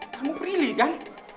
kamu berilih kan